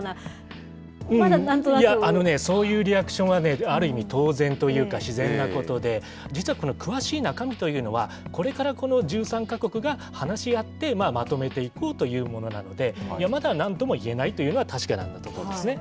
そういうリアクションはね、ある意味、当然というか、自然なことで、実はこの詳しい中身というのは、これから１３か国が話し合って、まとめていこうというものなので、まだなんともいえないというのは確かなところですね。